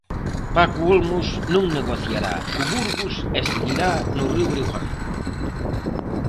Paco Olmos non negociará co Burgos e seguirá no Río Breogán.